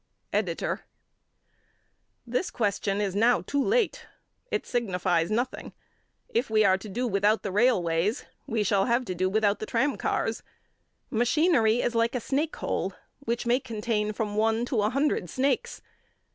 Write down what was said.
EDITOR: This question is now too late. It signifies nothing. If we are to do without the railways, we shall have to do without the tram cars. Machinery is like a snake hole which may contain from one to a hundred snakes.